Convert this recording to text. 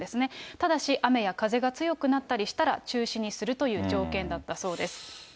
ただし、雨や風が強くなったり、中止にするという条件だったそうです。